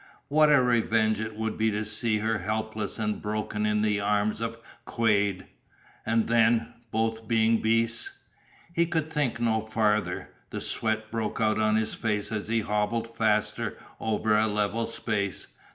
What a revenge it would be to see her helpless and broken in the arms of Quade! And then, both being beasts He could think no farther. The sweat broke out on his face as he hobbled faster over a level space.